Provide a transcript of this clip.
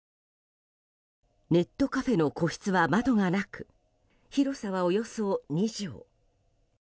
ネットカフェの個室は窓がなく広さは、およそ２畳。